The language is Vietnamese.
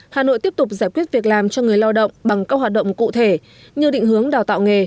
hà nội tiếp tục giải quyết việc làm cho người lao động